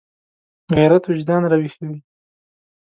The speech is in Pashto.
غیرت وجدان راویښوي